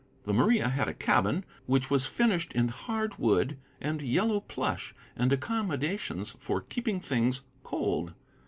The Maria had a cabin, which was finished in hard wood and yellow plush, and accommodations for keeping things cold.